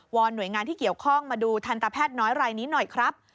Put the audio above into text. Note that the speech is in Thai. อนหน่วยงานที่เกี่ยวข้องมาดูทันตแพทย์น้อยรายนี้หน่อยครับ